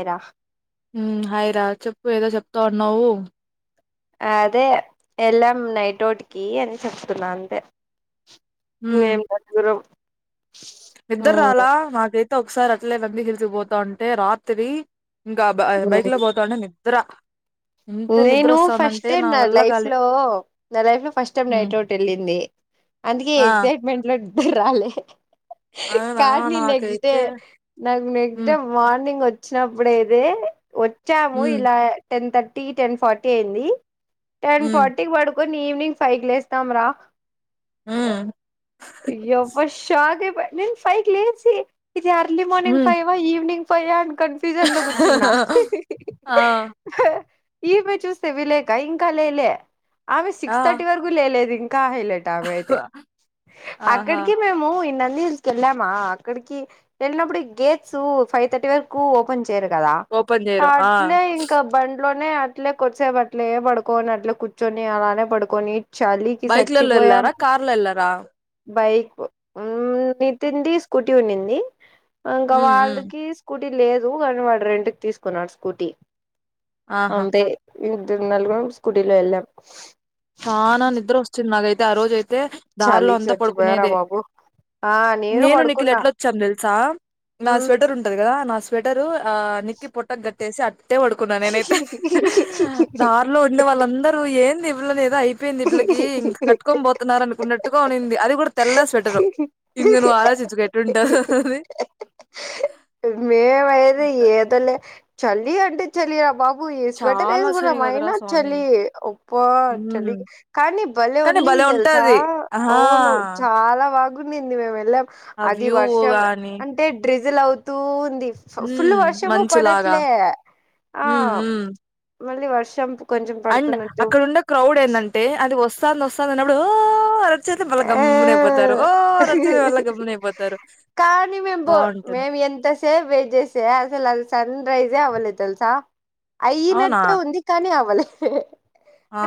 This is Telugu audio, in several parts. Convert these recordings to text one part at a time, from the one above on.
అరా హాయిరా చెప్పు ఏదో చెప్తా ఉన్నావు అదే వెళ్ళాం నైటోటికి అని చెప్తున్నా అంతే దూరం ఇద్దరు రాలా నాకైతే ఒకసారి అట్లేవంది గిలిచపోతా ఉంటే రాత్రి ఇంకా బ బైక్ లో పోతా ఉంటే నిద్ర ఎంత నిద్ర నేను ఫస్ట్ వస్తాందంటే టైమ్ నా వల్ల లైఫ్ కాలే లో నా లైఫ్ లో ఫస్ట్ టైం హ్మ్ నైట్ అవుట్ వెళ్ళింది అందుకే ఆ ఎక్సైట్మెంట్ లో రాలే అవునా కానీ నెక్స్ట్ డే నాకైతే నాకు నెక్స్ట్ డే హ్మ్ మార్నింగ్ వచ్చి వచ్చినప్పుడేద వచ్చాము హ్మ్ ఇలా టెన్ థర్టీ టెన్ ఫార్టీ అయింది టెన్ హ్మ్ ఫార్టీ క పడుకొని ఈవనింగ్ ఫైవ్ క లేస్తాం రా హ్మ్ ఇ బషాగ నేను ఫైవ్ లేచ ఇది అర్లీ మార్నింగ్ హ్మ్ ఫైవ్ ఈవనింగ్ ఫైవ్ అ కన్ఫ్యూజన్ లో కూర్చున్నా ఆ ఈమెే చూస్తే విలేక ఇంకా లేలే ఆమె ఆ సిక్స్ థర్టీ వరకు లేలేదు ఇంకా కా హలట ఆమె అయితే ఆహా అక్కడికి మేము ఇ ళ్ళా అక్కడికి వెళ్ళినప్పుడు గేట్ ఫైవ్ తర్టీ వరకు ఓపన్ చేరు కదా ఓపెన్ చేయరు ఆ అట్లే ఇంకా బం ఇట్లోనే అట్లే కొసే అట్లే ఏ పడుకోని అట్లే కూర్చొని అలానే పడుకొని చాలీకి సచ్చి బైక్లలో పోయా ఎళ్ళారా కార్లో ఎళ్ళారా బైక్ నితిన్ స్కూటీ ఉంంది ఇంకా హ్మ్ హ్మ్ వాళ్ళకి స్కూటీ క లేదు కానీ వాడు రెండుకి తీసుకున్నాడు స్కూటీ ఆహా అంతే ఇ ఇ నలగడం స్కూటిలో ఎలా చాలనా నిద్ర వస్తుంది మాగైతే ఆ రోజ అయితే దారిలో చలికి అంతా చచ్చిపోయారా పడుకునేదే బాబు ఆ నేను నీకుల్ పడుకున్నా ఎట్లా వచ్చాం తెలుసా నా మ్మ్ స్వెటర్ ఉంటది కదా నా స్వెటరు ఆ నిక్కి పొట్టకు గట్టేసి అ ట్ట పడుకున్నా నేనైతే దారిలో ఉండే వాళ్ళందరూ ఏంది ఇవ్వ అయిపోయింది వీళ్లకి ఇంక కట్టుొని పోతున్నారుార అనుకున్నట్టుగా అనింది అది కూడా తెల్ల స్వెటరు ఇంగనుూ ఆలోచించు కేటుంట అది మ వైర ఏద లే చల్ అంట చలి రాబా ఈ స్వెటర్ చాలా వేసుకున్నా అసలు కదరా అయినా స్వామి చలి ఒప్ప మ్మ్ చలి కానీ బలే కానీ వన్నింది భలే తెలుసా ఉంటది ఆహా అవును చాలా బాగు నింది మేము వెళ్ళ ఆ అది వ్యూ వర్షం గాని అంటే డ్రిజిల్ అవుతూ ది ఫుల్ మ్మ్ వర్షము మంచులాగా పడట్లే ఆ మ్మ్ మ్మ్ మళ్ళీ వర్షం కొంచెం అండ్ పడుతున్నట్టు అక్కడన్నే క్రౌడ్ ఏంటంటే అది వస్తాంది వస్తాంది అన్నప్పుడు అ నయితే మళ్ళా ఆ గమ్న అయిపోతారు ఓ నడిచతే మళ్ళా గమ్మన అయిపోతారు కానీ మేము పో మేము ఎంతసేపు వే చేేసే అసలు అ రైజే అవ్వలేదు తెలుసా అవునా అయయినట్టే ఉంది కానీ అవ్వలేదు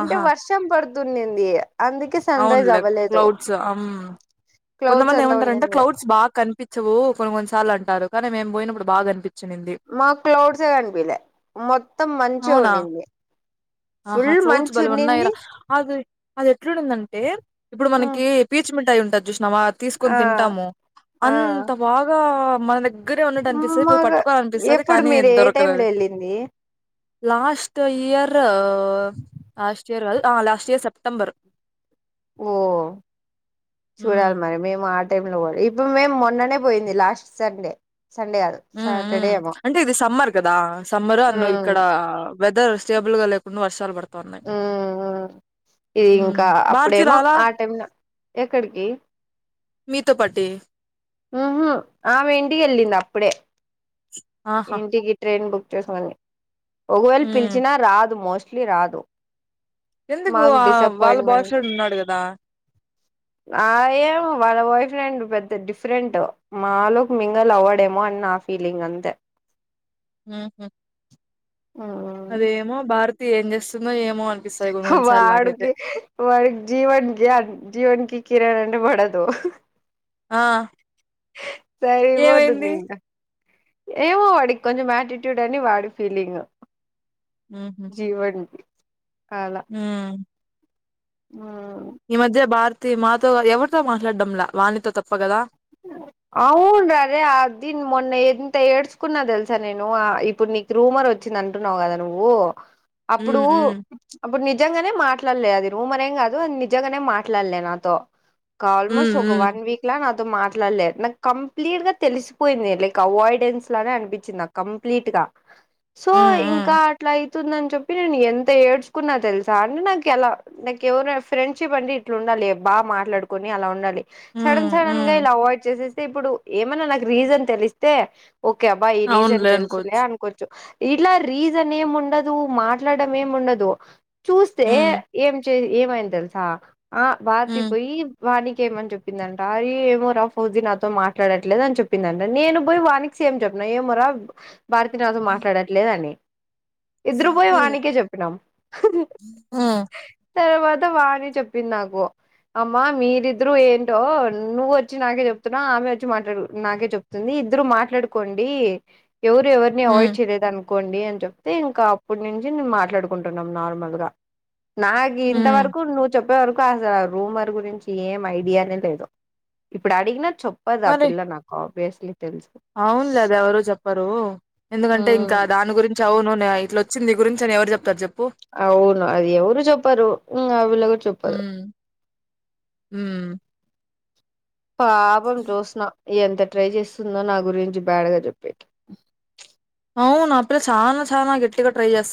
అంటే వర్షం పడుతుండంది అందుకే సన్ రైజ్ అవునులే అవ్వలేదు క్లౌడ్స్ క్లౌడ్స్ కొంతమంది అంతా ఏమంటారంటే ఉండింది క్లౌడ్స్ బాగా క కనిపించవు కొన్ని కొన్ని సార్లు అంటారు కానీ మేము పోయినప్పుడు బాగా కనిపించ మాకు క్లౌడ్స్ే కనిపిలే మొత్తం మంచిగా అవునా ఉంంది ఆహా ఫ్రౌట్స్ బలి ఉన్నా ఇరా అది ఎ దంటే ఇప్పుడు హ్మ్ మనకి పీచ్ మఠాయి ఉంటుంది తీసుకొని ఆ తింటాము ఆ అంత బాగా మన దగ్గర దగ్గరే ఉన్నట్టు అనిపిస్తది పోయి మాకు పట్టుకోవాలి అనిపిస్తది, ఎప్పుడు కానీ మీరు ఏ టైమ్ లో దొరకదది వెళ్ళింది లాస్ట్ ఇయర్ లాస్ట్ ఇయర్ కదు లాస్ట్ ఇయర్ సెప్టెంబర్ ఓ ఉమ్ చూడాలి మరి మేము ఆ టైంలో పోవాలే ఇప్పుడు మేము మొన్ననే పోయింది లాస్ట్ సండే సండే కాదు ఉమ్ సాటర్డే ఉమ్ ఏమో అంటే ఇది సమ్మర్ కదా సమ్మర్ అన్ ఉమ్ ఇక్కడ వెదర్ స్టేబుల్గా లేకుండా వర్షాలు పడ ఉమ్ మ్ ఇది ఉమ్ ఇంకా భారతి అప్పుడేమో రాలా ఆ టైమ్నా ఎక్కడికి మీతో పాటే ఊహు ఆమె ఇంటికి వెళ్లింది అప్పుడే ఆహా ఇంటికి ట్రైన్ బుక్ చేసుకొని ఒకవేళ ఉమ్ పిలిచినా రాదు మోస్ట్లీ రాదు ఎందుకు మాకు ఆ వాళ్ళ బాయ్ డిసప్పాయింట్మెంట్ ఫ్రెండ్ ఉన్నాడు కదా ఆ ఏమో వాళ్ళ బాయ్ ఫ్రెండ్ పెద్ద డిఫరెంట్ మాలోక్ మింగల్ అవ్వడేమో అని నా ఫీలింగ్ అంతే ఊహూ మ్మ్ అదేమో భారతి ఏం చేస్తుందో ఏమ్ వాడుకి వా జీవన్ గా జీవన్ కి కిరణ్ అంటే పడదు ఆ సరిపోతుంది ఏమైంది ఇంకా ఏమో వాడి కొంచెం ఆటిట్యూడ్ అని వాడి ఫీలింగ్ జీవన్ కి ఊమ్ ఉమ్ ఈ మధ్య భారతి మాతో ఎవరితో మాట్లాడడంలా వాణితో తప్ప కదా అవును రరే ఆ దీన్ మొన్న ఎంత ఏడ్చుకున్న తెలుసా నేను ఆ ఇప్పుడు నీకు రూమర్ వచ్చింది అంటున్నావు కదా నువ్వు అప్పుడు ఉమ్ ఉమ్ అప్పుడు నీ నిజంగానే మాట్లాడలే అది రూమరేం కాదు నిజంగానే మాట్లాడలే నాతో ఒక ఉమ్ ఆల్మోస్ట్ ఒక ఉమ్ వన్ వీక్లా నాతో మాట్ ట్లలే నాకు కంప్లీట్ గా తెలిసిపోయింది లైక్ అవాయిడెన్స్ లానే అనిపించింది నాక్ కంప్లీట్ గా సో హ్మ్. హ్మ్. ఇంకా అట్లై తుందని చెప్పి నేను ఎంత ఏడ్చుకున్నా తెలుసా అంటే నాకు అలా, నాకు ఎవరు ఫ్రెండ్షిప్ అంటే ఇట్లా బా మాట్లాడుకొని అలా ఉండాలి, సడన్ హ్మ్. సడన్ హ్మ్. గా ఇలా అవాయిడ్ చేసేస్తే ఇప్పుడు ఏమన్నా నాకు రీజన్ తెలిస్తే ఓకే అబ్బా ఈ రీజన్ అవునులే తెలుసునే అనుకోవచ్చు. అనుకోచ్చు ఇట్లా రీజన్ ఏమ్ ఉండదు, మాట్లాడడం ఏమ్ ఉండదు చూస్తే హ్మ్. ఏం ఏమైంది తెలుసా ఆ భారత హ్మ్. పోయి, వానికేమని చెప్పిందంట అయి ఏమో ఫౌజీ నాతో మాట్లాడట్లేదు అని చెప్పిందంట నేను పోయి వానిక్ సేమ్ చెప్పినా ఏమోరా భారతీ నాతో మాట్లాడట్లేదని ఇద్దరు పోయి హ్మ్. వానికే చెప్పినాం హ్మ్. తర్వాత వాణి చెప్పింది నాకు అమ్మా మీరిద్దరు ఏంటో నువ్వు వ చ్చి నాకే చెప్తున్నావు ఆమె వచ్చి మాట్లాడు నాకే చెప్తుంది ఇద్దరు మాట్లాడుకోండి ఎవరు ఎవరిని హ్మ్. అవాయిడ్ చేయలేదన్ కోండి అని చెప్తే ఇంకా అప్పుటి నుంచి మేమ్ మాట్లాడుకుంటున్నాం నార్మల్గా నాకు హ్మ్. ఇంతవరకు నువ్వు చెప్పే వరకు అస రూమర్ గురించి ఏం ఐడియానే లేదు ఇప్పుడు అడిగిన చెప్పదాపిల్ల నాకు ఆబ్యుస్లీ అవునులేదా ఎవరు చెప్పరు ఎందుకంటే ఉమ్ ఇంకా దాని గురించి అవును ఇట్లోచ్చింది నీ గురిం ఎవరు చెప్తారు చె అవును అది ఎవరు చెప్పరు ఇంగ ఆ పిల్ల కూడా చెప్పదు మ్ పాపం జోస్న ఎంత ట్రై చేసుందో నా గురించి బ్యాడ్గా చెప్పేకి అవు నా పిల్ల చానా చానా గట్టిగా ట్రై చేస్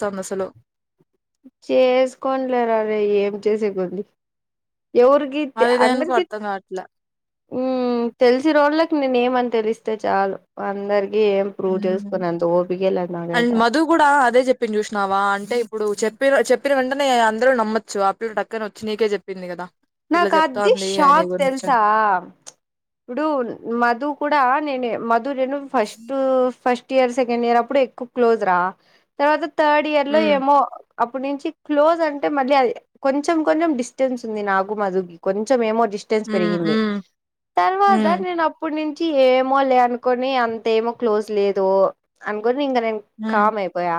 చేసుకోన్లేరరే ఏం చేసే కొంది ఎవుర్కి అది దేనికో అందర్కి అర్థం గావట్లే. మ్ తెల్సి రోళ్ళక్ నేను ఏం అని తెలిస్తే చాలు అందరికి ఏం ప్రూవ్ చేసుకునేంత ఓపికే లేదు నా అండ్ దగ్గర మధూ గూడా అదే చెప్పిండ్ చూసినా వా అంటే ఇప్పుడు చెప్పిర్ చెప్పిన వెంటనే అందరు నమ్మొచ్చు ఆ పిల్ల టక్కన ఒచ్చి నీకే చెప్పింది కదా నాకాద్ది షాక్ తెల్సా ఇప్పుడూ మధు కడా నేనే Madhu first first year second year అప్పుడు ఎక్కువ క్లోజ్ రా తర్వాత తర్డ్ ఇయర్ లో హ్మ్. ఏమో అప్పుటి నుంచి క్లోజ్ అంటే మళ్ళీ అ కొంచెం కొంచెం డిస్టెన్స్ ఉంది నాకు మధుకి కొంచెం ఏమో డిస్టెన్స్ హ్మ్. పెరిగింది హ్మ్. తర్వాత హ్మ్. నేన్ అప్పుడ్ నుంచ్ ఏమో లే అనుకొని అంత ఏమో క్లోజ్ లేదూ అన్ గుడ్నింగ్క హ్మ్. కామ్ అయిపోయా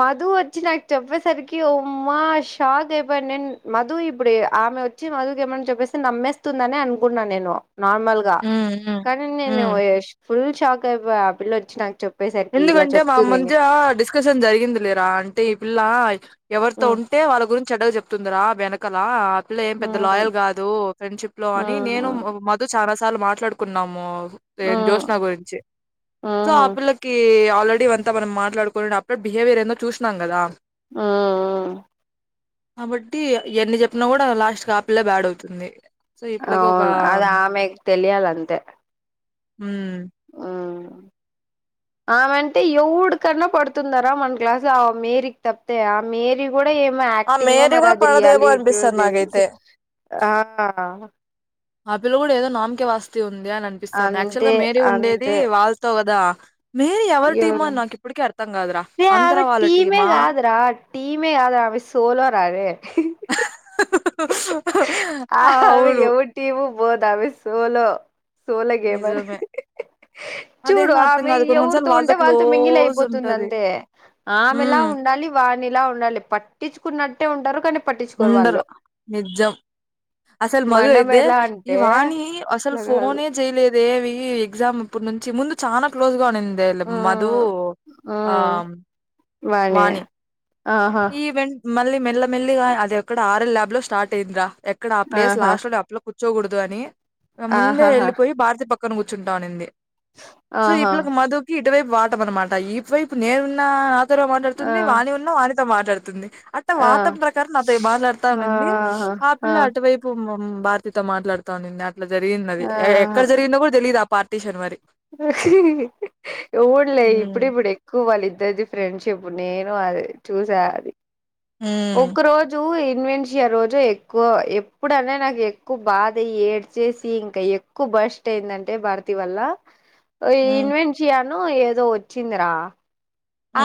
మధూ ఒచ్చి నాక్ చెప్పేసరికి ఉమ్మా షాక్ ఐపోయాన్ నేన్ మధు ఇప్పుడ్ ఆమె వచ్చి మధుకు ఏమన చెప్పేస్తె నమ్మేస్తుందని అనుకున్నా నేను నార్మల్ గా హ్మ్. హ్మ్. కనీ హ్మ్. నేనూ ఎ ఫుల్ షాక్ ఐపోయా పిల్లొచ్చి నాక్ చెప్ ఎందుకంటే మా మధ్యా డిస్కషన్ జరిగింది లేరా అంటే ఇ పిల్లా ఎవర్తో హ్మ్ ఉంటే వాళ్ళ గురించి చెడ్డగా చెప్తుందిరా వెనకలా పిలా ఏ పెద్ద లాయల్ హ్మ్ కాదూ ఫ్రెండ్షిప్ లో అని నేను హ్మ్ మధు చాల సార్లు మాట్లాడుకున్నామూ ఏ హ్మ్ జోష్న గురించి సో ఆ హ్మ్ పిల్లక్ ఆల్రెడీ అంతా మనం మాట్లాడుకుని అప్పుడ బిహేవియర్ ఏందో చూస్నాం కదా హ్మ్ కాబట్టీ ఎన్ని చెప్పినా గుడా లాస్ట్ కాపిల్లే బ్యాడ్ అవుతుంది సో, ఈ పిల్లకి ఒక ఔన్ అది ఆమెక్ తెలియాలంతే మ్ హ్మ్ ఆమెంటే ఎవుడ్కన్నా పడ్తుందారా మన క్లాస్ ఆ మేరీకి తప్తే ఆ మేరీ కూడా ఏమో ఆ యాక్టింగొ మేరీ మరి గూడా అది పడదేమో రియాలి ఓ అనిపిస్తది తెలుసు నాకైతే. ఆ ఆ పిల్ల గుడా ఏదో నామ్కే వాస్తె ఉంది అని అనిపిస్తంది యాక్చువల్ అంతే గా మేరీ ఉండేది అంతే వాళ్తో గదా మేరీ ఎవరి టీమో ఎవరు అని నాకిప్పటికి అర్థం గాదురా! రే ఆంధ్ర ఆవ వాళ్ళ టీమేగ టీమా? గాద్రా టీమే గాద్ర అమె సోలోరారే ఆ అవి ఎవ టీమ పోదు అమె సోలో సోలో గేమర్ నిజమే. చూడు అదేందో అర్థం ఆమె గాదు. కొన్ని కొన్ని ఎవురితో సార్లు ఉంటే వాళ్ళతో వాళ్తో మింగిల్ క్లోజ్ అయిపోతుంది ఉంటది. అంతే ఆమెలా హ్మ్. ఉండాలి వా ఇలా ఉండాలి పట్టించుకున్నట్టే ఉంటారు కానీ పట్టించుకోరు వాళ్ళు ఉండరు. నిజం అసల్ మధు మనం అయితే ఎలా ఈ అంటే వాణీ అసల్ అట్లా కాదు ఫోనే చేయలేద్ దేవీ ఎగ్జామ్ అప్పుడ్ నుంచి ముందు చాలా క్లోజ్ గా ఉండింది దేలె మధూ మ్మ్ ఆ మనీ ఆహా ఈవెంట్ మళ్ళీ మల్లమెల్లిగా అది ఎక్కడ ఆరెల్ ల్యాబ్ లో స్టార్ట్ అయిందరా ఎక్కడ ఆ ప్లేస్ ఆహా లాస్ట్ లోనె చొకూడదు అని ముందే ఆహాహా ఎళ్ళలిపోయి భారతి పక్కన కూర్చుంటా అనింది సో ఆహా ఇప్పలకి మధుకి ఇటువైప్ వాటం అనమాట ఇటువైపు నేనున్నా ఆ మాట్లాడుతుంది వాణి వున్న వానితో మాట్లాడుతుంది అట్ట ఆ వాత ప్రకారం అది బాట్లాడతానండి ఆ ఆహా పిల్ల అటువైపు భారతీతో మాట్లాడుతా ఉంది అట్లా జరిగింది అది ఆ ఎక్కడ జరిగినో గుడా తెలీదు ఆ పార్టీషన్ మరి ఊండ్లే హ్మ్. ఇప్పుడిప్పుడ్ ఎక్కువ వాళ్ళిద్దరిది ఫ్రెండ్షిప్ ఉ నేను అదే చూసా అది హ్మ్. ఒక్క రోజు ఇ ఇన్వెంషియా రోజు ఎక్కువ ఎప్పుడన్నా నాకు ఎక్కువ బాధ అయి ఏడ్చేసి ఇంకా ఎక్కు ఫస్ట్ ఏందంటే భారతీ వల్ల ఓయ్ హ్మ్. ఇన్వెంషియాను ఏదో వచ్చిందిరా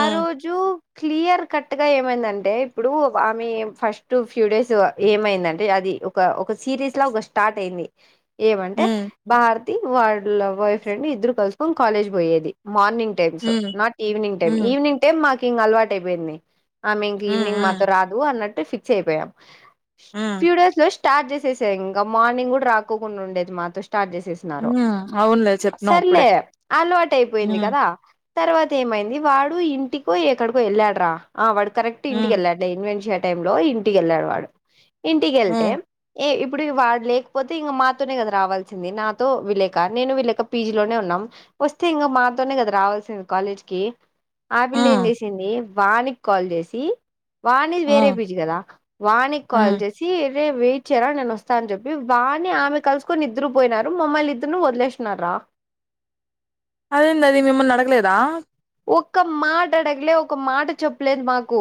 ఆ రోజు క్లియర్ కట్ గా ఏమైందంటే ఇప్పుడు ఆమె ఫస్ట్ ఫ్యూ డేస్ ఏమైందంటే అది ఒక ఒక సిరీస్ ఒక స్టార్ట్ అయింది ఏమంటే హ్మ్. భారతి వాళ్ళ బాయ్ ఫ్రెండ్ ఇద్దరు కలుసుకొని కాలేజ్ పోయేది మార్నింగ్ టైమ్స్ హ్మ్. నాట్ ఈవినింగ్ టైం హ్మ్. ఈవినింగ్ టైం మాకు ఇంకా అలవాటు అయిపోయింది ఆమె ఇంక హ్మ్. ఈవినింగ్ హ్మ్. మాతో ఇంక రాదు అన్నట్టు ఫిక్స్ అయిపోయాం హ్మ్. ఫ్యూ డేస్ లోష్ స్టార్ట్ చేసేసే ఇంగా మార్నింగ్ కూడా రాకోకుండ ఉండేది మాతో స్టార్ట్ చేసేసినారు హ్మ్ అవునులే చెప్పినావు అప్పుడే సర్లే అలవాటు అయిపోయింది హ్మ్ కదా తర్వాత ఏమైంది వాడు ఇంటికో ఎక్కడికో ఎళ్ళాడు రా ఆ వాడు కరెక్ట్ ఇంటికి హ్మ్ వెళ్ళాడు ఇన్వెంషియా టైం లో ఇంటికిళ్ళాడు వాడు ఇంటికి వెళ్తే హ్మ్ ఏ ఇప్పుడు వాడు లేకపోతే ఇంగ మాతోనే కదా రావాల్సింది నాతో విలేక నేను విలేక పీజీ లోనే ఉన్నాం వస్తే ఇంగా మాతోనే కదా రావాల్సింది కాలేజ్ కి ఆపిల్లి ఏం హ్మ్ చేసింది వానికి కాల్ చేసి వాణి వేరే హ్మ్ పీజి కదా వాణికి హ్మ్ కాల్ చేసి ఎ వెయిట్ చేయరా నేను వస్తా అని చెప్పి వాణి ఆమె కలుసుకొని ఇద్దరు పోయినారు మమ్మల్ని ఇద్దరుని వదిలేసినారా అదేం అది మిమ్మల్ని అడగలేదా ఒక్క మాట అడగలే ఒక మాట చెప్పలేదు మాకు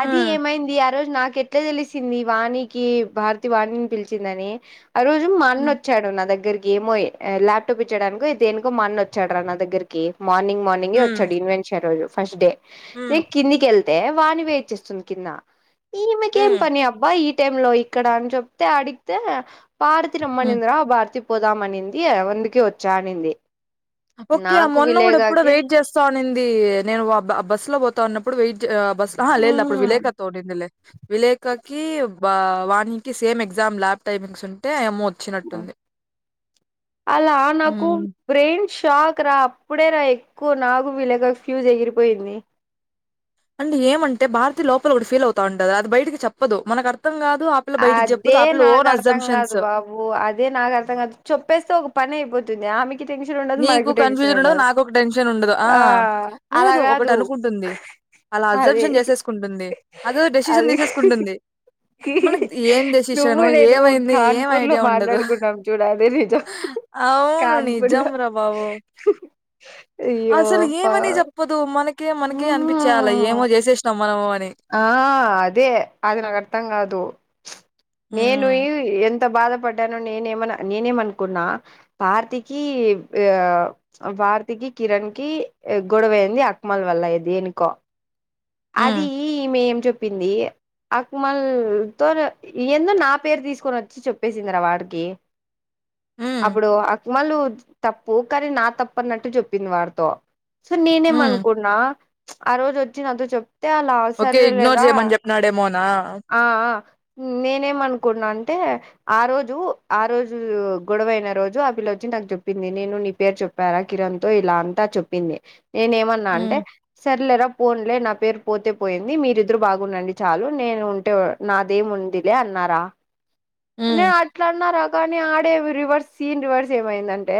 అది హ్మ్ ఏమైంది ఆ రోజు నాకి ఎట్లా తెలిసింది వాణికి భారతీ వాణిని పిలిచిందని ఆ రోజు మా అన్న హ్మ్ వచ్చాడు నా దగ్గరి ఏమో ఎ ల్యాప్టాప్ ఇచ్చడానికో దేనికో మా అన్న వచ్చాడు రా నా దగ్గరికి మార్నింగ్ హ్మ్ వచ్చాడు ఇన్వెన్ష రోజు ఫస్ట్ డే హ్మ్ నేను కిందికిళ్తే వాణి వెయిట్ చేస్తుంది కింద ఈమెకేమీ హ్మ్ పని అబ్బా ఈ టైం లో ఇక్కడ అని చెప్తే అడిగితే భారతి రమ్మ హ్మ్ నిందిరా భారతి పోదామనింది అందుకే వచ్చా అనింది ఓకే ఆ నాకు మొన్న కూడా ఎప్పుడో విలేగాకి వెయిట్ చేస్ సోనింది నేను బస్ లో పోతా ఉన్నప్పుడు వెయిట్ బస్ లేదు అప్పుడు ఉమ్ విలేకతో ఉనింది లే విలేకకి బ వాణికి సేమ్ ఎగ్జామ్ ల్యాబ్ టైమింగ్స్ ఉంటే మో అలా నాకు హ్మ్. బ్రెయిష్ షాక్ రా అప్పుడే రా ఎక్కువ నాకు వీలేకకు ఫ్యూజ్ ఎగిరిపోయింది అంటే ఏమంటే భారతీ లోపల ఒకటి ఫీల్ అవుతాటాంతది అది చెప్పదు మనకు అర్థం కాదు అదే నాకు అర్థం కాదు బాబు అదే నాకు అర్థం కాదు చెప్పేస్తే ఒక పని అయిపో తుం ఆమెక్ కి టెన్షన్ ఉండదు నీకు మనకు టెన్షన్ కన్ఫ్యూజన్ ఉండదు నాకొక టెన్షన్ ఉండదు. ఆ అలా లేదు ఒకటి కాదు అనుకుంటుంది. అలా అదే అబ్జర్ప్షన్ చేసేసుకుంటుంది. అదో డెసిషన్ అది తీసేసుకుంటుంది. కి మనకి ఏం డెసిషను ఏమైంది ఏం లో ఐడియా ఉండదు మాట్లాడుకున్నాం చూడు అదే నిజం అవును ని కాన్పూర్ లో జంరా బాబు అయ్యో అసలు ఏ అబ్బా మని చెప్పదు మన కే మనకి అనిపించేయాలా హ్మ్ ఏమో చేసేసినాం మనము అ ఆ అదే అదే నాకు అర్థం కాదు నేను హ్మ్. యు ఎం త బాధపడ్డాను నేనే ఎమన నేనేమనుకున్నా పార్తికి పార్తికి కిరణ్ కి గొడవయంది అక్మల్ వల్ల దేనికో హ్మ్. అది ఈమె ఏం చెప్పింది అక్మల్ తో ఏందో నా పేరు తీసుకొని వచ్చి చెప్పేసిందిరా వాడికి హ్మ్. అప్పుడు అక్మలు తప్పు కాని నా తప్పు అన్నట్టు చెప్పింది వాడితో సో హ్మ్. నేనేమనుకున్నా ఆ రోజు వచ్చి నాతో చెప్ అ అలా ఓకే. సరె ఇగ్నోర్ లేరా జేయమని జెప్పినాడేమోనా? ఆ ఆ నేనేమనుకున్నా అంటే ఆ రోజు ఆ రోజు గొడవైన రోజు అపిల్లొచ్చి చెప్పింది నేను నీ పేరు చెప్పారా కిరణ్ తో ఇలా అంతా చెప్పింది. నేను ఏమన్నా అంటే హ్మ్. సర్లేరా పోన్లే నా పేర్ పోతే పొయ్యింది మీరిద్దరు బాగుండండి చాలు నేను ఉంటే నాదేం ఉందిలే అన్నారా. నే హ్మ్. అట్లా అన్నారా కానీ ఆడేవి రివర్స్ సీన్ రివర్స్ ఏమైందంటే?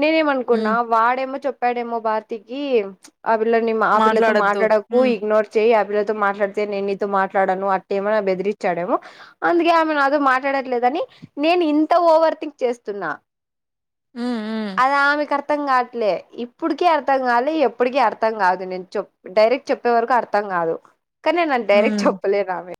నేనేమనుకున్నా హ్మ్. వాడేమో చెప్పాడేమో భార్తీకి ఆ పిల్ల నిమ్ ఆ పిల్లతో మాట్లాడొద్దు. మాట్లాడకు హ్మ్. ఈ చెయి ఆ పిల్లతో మాట్లాడితే నేన్ నీతో మాట్లాడను అట్టేమన్నా బెదిరిచ్చాడేమో అందుకే ఆమె నాతో మాట్ మాట్లేదని నేను ఇంత ఓవర్ థింక్ చేస్తున్నా. ఉమ్ ఊ అది ఆమెకు అర్థం కావట్లే ఇప్పుటికి అర్థం కాలే ఎప్పటికీ అర్థం కాదు నేను చెప్ డైరెక్ట్ చెప్ చెప్పే వరకు అర్థం కాదు కానీ నేను డైరెక్ట్ హ్మ్. చెప్పలేను ఆమె